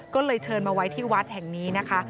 ก็เลยเชิญมาไว้ที่วัดแห่งนี้นะคะ